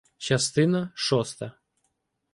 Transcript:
ЧАСТИНА ШОСТА